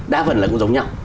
đa phần là cũng giống nhau